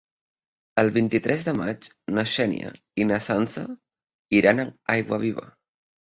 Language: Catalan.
El vint-i-tres de maig na Xènia i na Sança iran a Aiguaviva.